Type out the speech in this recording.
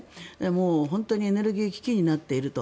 もう本当にエネルギー危機になっていると。